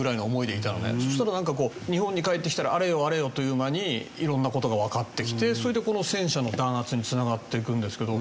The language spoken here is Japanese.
そしたら日本に帰ってきたらあれよあれよという間に色んな事がわかってきてそれでこの戦車の弾圧に繋がっていくんですけど。